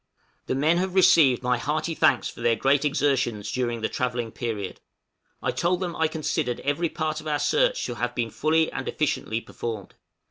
The men have received my hearty thanks for their great exertions during the travelling period. I told them I considered every part of our search to have been fully and efficiently performed.